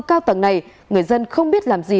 cao tầng này người dân không biết làm gì